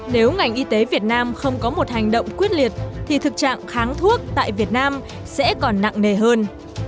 nếu ngành y tế việt nam không có một hành động quyết liệt thì thực trạng kháng thuốc tại việt nam sẽ còn nặng nề hơn